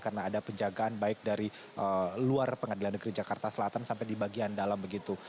karena ada penjagaan baik dari luar pengadilan negeri jakarta selatan sampai di bagian dalam begitu